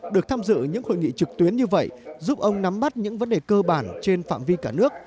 được tham dự những hội nghị trực tuyến như vậy giúp ông nắm bắt những vấn đề cơ bản trên phạm vi cả nước